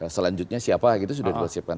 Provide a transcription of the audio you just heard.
selanjutnya siapa gitu sudah dipersiapkan